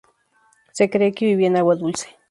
Se cree que vivía en agua dulce.